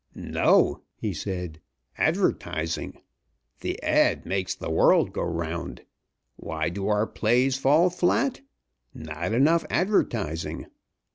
"No!" he said, "advertising! The ad. makes the world go round. Why do our plays fall flat? Not enough advertising.